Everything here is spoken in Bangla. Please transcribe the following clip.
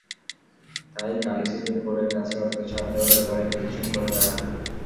তাই কালই সুপ্রিম কোর্টের কাছে অর্থ ছাড় দেওয়ার ব্যাপারে পিটিশন করে তারা।